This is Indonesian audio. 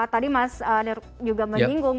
tadi mas juga menyinggung